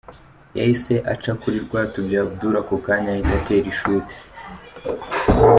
Yahise aca kuri Rwatubyaye Abdoul ako kanya ahita atera ishoti.